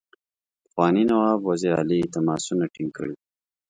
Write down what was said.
پخواني نواب وزیر علي تماسونه ټینګ کړي.